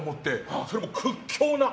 それも屈強な。